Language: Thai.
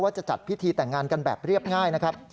จะจัดพิธีแต่งงานกันแบบเรียบง่ายนะครับ